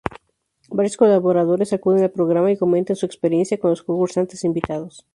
Varios colaboradores acuden al programa y comentan su experiencia con los concursantes invitados.